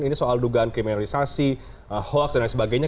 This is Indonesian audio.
ini soal dugaan kriminalisasi hoax dan lain sebagainya